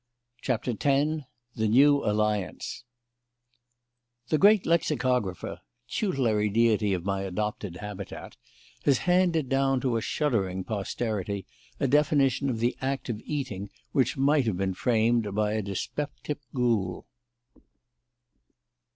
CHAPTER X THE NEW ALLIANCE The "Great Lexicographer" tutelary deity of my adopted habitat has handed down to shuddering posterity a definition of the act of eating which might have been framed by a dyspeptic ghoul.